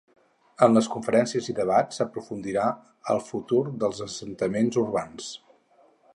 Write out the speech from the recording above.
En les conferències i debats s’aprofundirà el futur dels assentaments urbans.